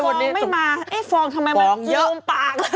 ฟองไม่มาฟองทำไมมันเกินตรงปาก